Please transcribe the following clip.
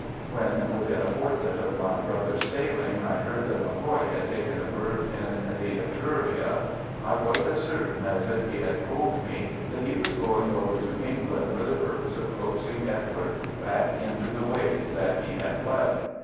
When within a fortnight of my brother's sailing I heard that MacCoy had taken a berth in the Etruria, I was as certain as if he had told me that he was going over to England for the purpose of coaxing Edward back again into the ways that he had left.